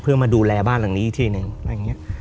เพื่อมาดูแลบ้านหลังนี้อีกทีหนึ่งอะไรอย่างนี้